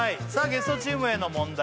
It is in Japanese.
ゲストチームへの問題